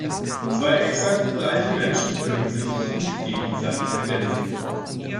Zwei exakt gleiche Menschen können sich nicht gegenseitig ergänzen.